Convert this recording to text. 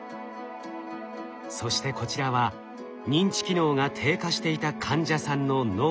そしてこちらは認知機能が低下していた患者さんの脳。